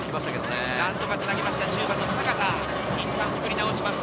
何とかつなぎました、阪田、いったん作り直します。